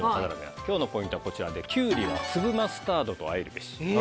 今日のポイントは、キュウリは粒マスタードとあえるべし。